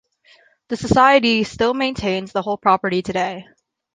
This society still maintains the whole property today.